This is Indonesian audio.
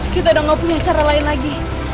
kita udah gak punya cara lain lagi